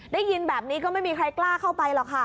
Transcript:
ได้ยินแบบนี้ก็ไม่มีใครกล้าเข้าไปหรอกค่ะ